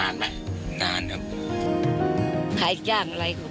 อันดับ๖๓๕จัดใช้วิจิตร